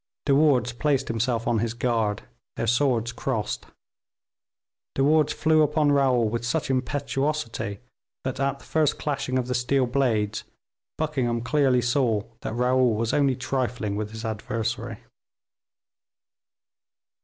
De Wardes placed himself on his guard; their swords crossed. De Wardes flew upon Raoul with such impetuosity, that at the first clashing of the steel blades Buckingham clearly saw that Raoul was only trifling with his adversary.